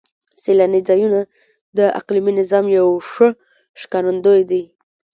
سیلاني ځایونه د اقلیمي نظام یو ښه ښکارندوی دی.